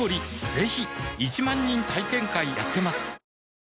ぜひ１万人体験会やってますはぁ。